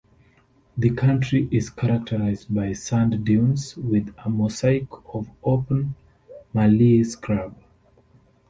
The country is characterised by sand dunes with a mosaic of open mallee scrub.